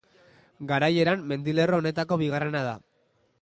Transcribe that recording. Garaieran, mendilerro honetako bigarrena da.